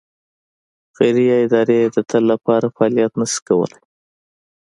خیریه ادارې د تل لپاره فعالیت نه شي کولای.